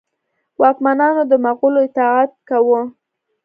واکمنانو د مغولو اطاعت کاوه.